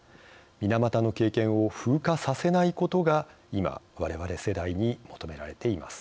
水俣の経験を風化させないことが今、我々世代に求められています。